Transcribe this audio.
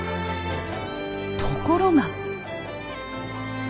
ところが。